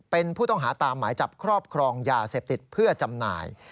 เป็นผู้ต้องหาตามหมายจับครอบครองยาเสพติดเพื่อจำหน่าย